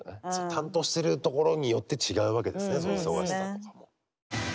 担当してるところによって違うわけですね忙しさとかも。